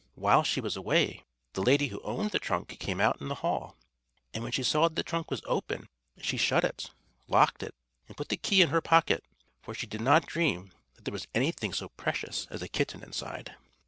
While she was away, the lady who owned the trunk came out in the hall; and when she saw that the trunk was open, she shut it, locked it, and put the key in her pocket, for she did not dream that there was anything so precious as a kitten inside.